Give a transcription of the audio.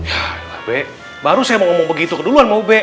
ya ube baru saya mau ngomong begitu keduluan mau ube